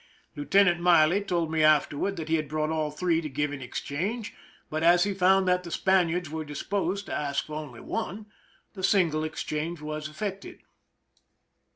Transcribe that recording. Lieutenant Miley told me afterward that he had brought all three to gi^?^e in exchange, but as he found that the Span iards were disposed to ask for only one, the single exchange was effected.